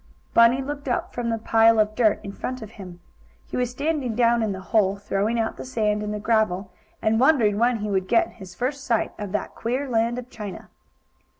Bunny looked up from the pile of dirt in front of him. He was standing down in the hole, throwing out the sand and the gravel, and wondering when he would get his first sight of that queer land of China.